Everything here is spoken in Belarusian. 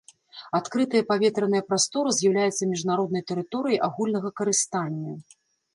Адкрытая паветраная прастора з'яўляецца міжнароднай тэрыторыяй агульнага карыстання.